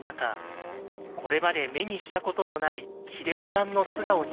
これまで目にしたことのない英夫さんの素顔に出会います。